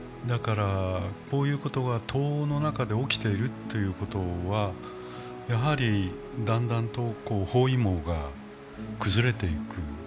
こういうことが東欧の中で起きているということは、やはりだんだんと包囲網が崩れていく。